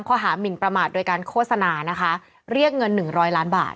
หมินประมาทโดยการโฆษณานะคะเรียกเงิน๑๐๐ล้านบาท